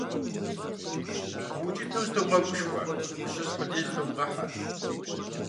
УукӀытэу зытумыгъэгушхуэ, ущысхьу лей зытумыгъэхьэ.